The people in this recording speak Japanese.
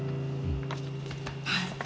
はい。